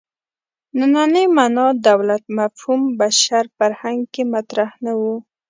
نننۍ معنا دولت مفهوم بشر فرهنګ کې مطرح نه و.